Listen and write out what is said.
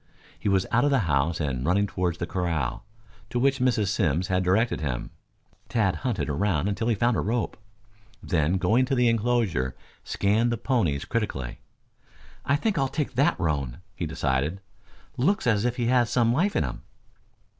He was out of the house and running toward the corral, to which Mrs. Simms had directed him. Tad hunted about until he found a rope; then going to the enclosure scanned the ponies critically. "I think I'll take that roan," he decided. "Looks as if he had some life in him."